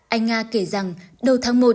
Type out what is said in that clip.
anh nga kể rằng đầu tháng một